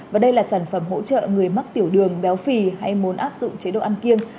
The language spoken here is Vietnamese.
và đây là sản phẩm hỗ trợ người mắc tiểu đường béo phì hay muốn áp dụng chế độ ăn kiêng